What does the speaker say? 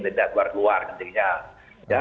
dan tidak keluar keluar kencingnya